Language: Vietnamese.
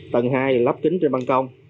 tầng hai là lắp kính trên bàn công